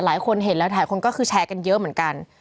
หลายคนเห็นแล้วหลายคนก็คือแชร์กันเยอะเหมือนกัน